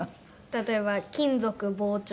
例えば金属膨張とか。